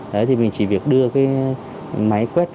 đấy thì mình chỉ việc đưa cái máy quét